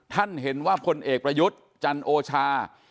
ท่านเห็นว่าพลเอกประยุทธ์จันโอชา